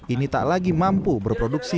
ini tak lagi mampu berproduksi